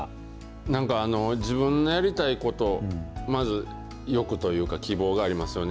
なんか自分のやりたいこと、まず欲というか希望がありますよね。